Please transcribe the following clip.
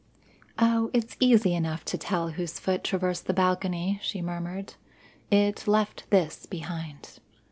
"Oh! it's easy enough to tell whose foot traversed the balcony," she murmured. "It left this behind."